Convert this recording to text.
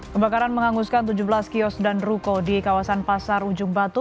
kebakaran menghanguskan tujuh belas kios dan ruko di kawasan pasar ujung batu